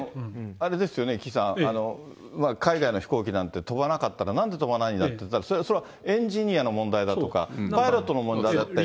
あれですよね、岸さん、海外の飛行機なんて飛ばなかったら、なんで飛ばないんだって、それはエンジニアの問題だとか、パイロットの問題だって。